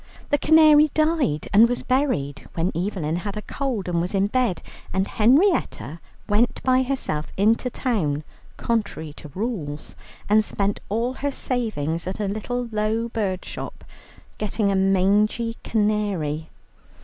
The canary died and was buried when Evelyn had a cold and was in bed, and Henrietta went by herself into the town, contrary to rules, and spent all her savings at a little, low bird shop getting a mangey canary.